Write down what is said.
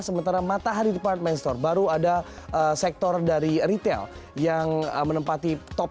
sementara matahari department store baru ada sektor dari retail yang menempati top